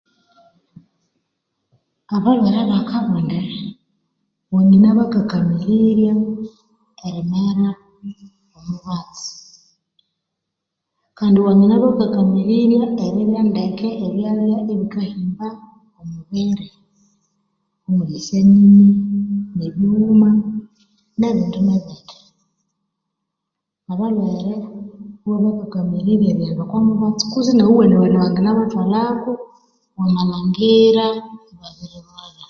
Abalhwebakabonde wanginabakakamirirya erimera omubatsi Kandi wanginabakakamirerya erirya ndeki ebyalya ibikahimba omubiri omuli eshanyinyi ebighuma nebindinebindi abalhwere iwabakakamirirya erighenda okomubatsi kwetsi nighuwenewene wanginabathwalhako wamalhangira ibabirilhwalha